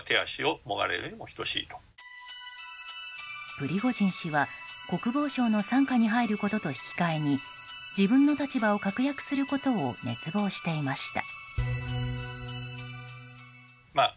プリゴジン氏は国防省の傘下に入ることと引き換えに自分の立場を確約することを熱望していました。